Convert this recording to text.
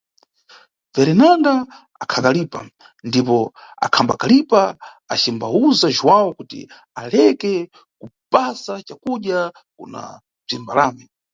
Ferinanda akhakalipa ndipo akhambakalipa acimbawuza Juwawu kuti aleke kupasa cakudya kuna bzimbalame.